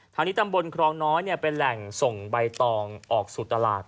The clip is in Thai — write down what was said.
ทางนี้ตำบลครองน้อยเป็นแหล่งส่งใบตองออกสู่ตลาด